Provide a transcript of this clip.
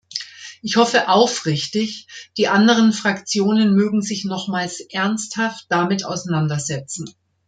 Ich hoffe aufrichtig, die anderen Fraktionen mögen sich nochmals ernsthaft damit auseinander setzen.